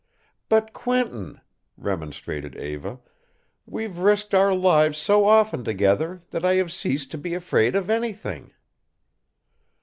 "But, Quentin," remonstrated Eva, "we've risked our lives so often together that I have ceased to be afraid of anything."